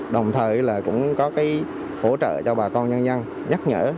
đồng thời cũng có hỗ trợ cho bà con nhân nhân nhắc nhở